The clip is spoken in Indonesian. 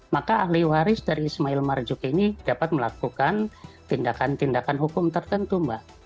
maka ahli waris dari ismail marzuki ini dapat melakukan tindakan tindakan hukum tertentu mbak